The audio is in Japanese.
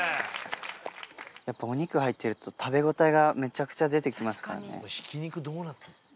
やっぱお肉入ってると食べ応えが出てきますからね。